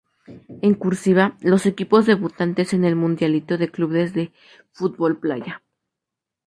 En cursiva, los equipos debutantes en el Mundialito de Clubes de Fútbol Playa.